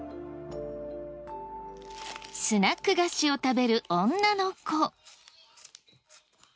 スナック菓子を食べる女の子。